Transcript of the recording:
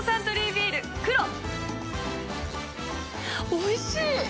おいしい！